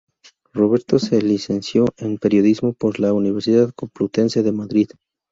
Roberto se licenció en periodismo por la Universidad Complutense de Madrid.